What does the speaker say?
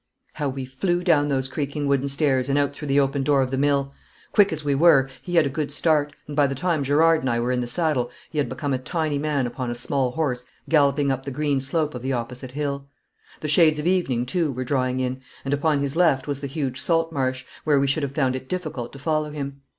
How we flew down those creaking wooden stairs and out through the open door of the mill! Quick as we were, he had a good start, and by the time Gerard and I were in the saddle he had become a tiny man upon a small horse galloping up the green slope of the opposite hill. The shades of evening, too, were drawing in, and upon his left was the huge salt marsh, where we should have found it difficult to follow him.